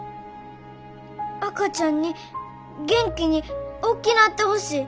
赤ちゃんに元気におっきなってほしい。